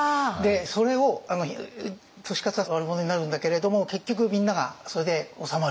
それを利勝は悪者になるんだけれども結局みんながそれで収まると。